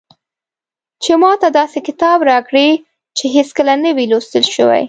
چې ماته داسې کتاب راکړي چې هېڅکله نه وي لوستل شوی.